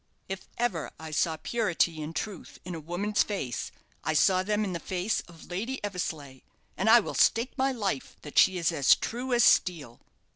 If ever I saw purity and truth in a woman's face, I saw them in the face of Lady Eversleigh; and I will stake my life that she is as true as steel."